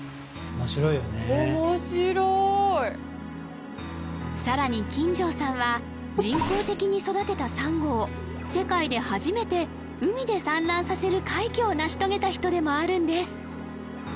面白いさらに金城さんは人工的に育てたサンゴを世界で初めて海で産卵させる快挙を成し遂げた人でもあるんです